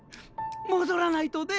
戻らないとね！